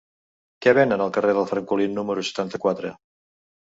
Què venen al carrer del Francolí número setanta-quatre?